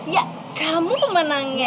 ya kamu pemenangnya